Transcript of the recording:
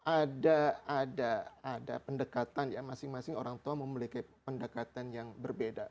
ada pendekatan ya masing masing orang tua memiliki pendekatan yang berbeda